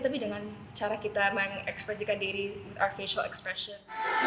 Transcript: tapi dengan cara kita main ekspresi kandiri our facial expression